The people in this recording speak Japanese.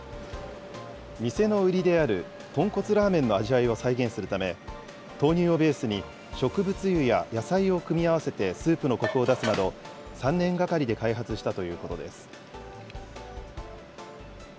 店の売りである、豚骨ラーメンの味わいを再現するため、豆乳をベースに植物油や野菜を組み合わせてスープのこくを出すなど、３年がかりで開発したということです。